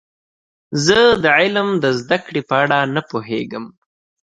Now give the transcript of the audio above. زه د علم د زده کړې په اړه نه پوهیږم.